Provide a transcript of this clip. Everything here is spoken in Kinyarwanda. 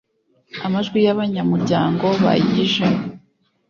amajwi y abanyamuryango bayijemo